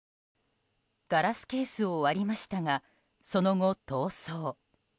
ガラスケースを割りましたがその後、逃走。